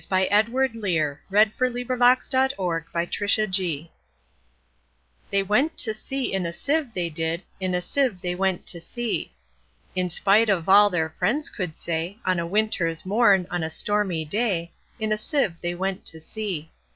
1895. Edward Lear 1812–88 The Jumblies Lear Edw THEY went to sea in a sieve, they did; In a sieve they went to sea; In spite of all their friends could say, On a winter's morn, on a stormy day, In a sieve they went to sea.